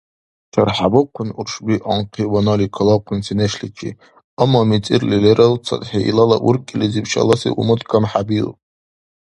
ЧархӀебухъун уршби анкъи ванали калахъунси нешличи, амма мицӀирли лералцадхӀи илала уркӀилизиб шаласи умут камхӀебиуб.